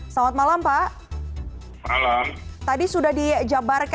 selamat malam pak